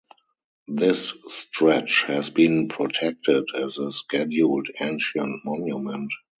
This stretch has been protected as a scheduled ancient monument.